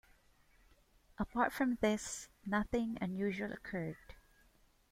Apart from this, nothing unusual occurred.